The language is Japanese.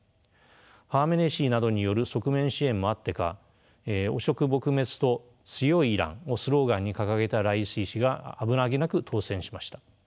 ハーメネイ師などによる側面支援もあってか汚職撲滅と強いイランをスローガンに掲げたライシ師が危なげなく当選しました。